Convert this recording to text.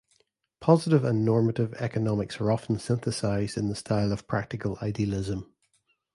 Positive and normative economics are often synthesized in the style of practical idealism.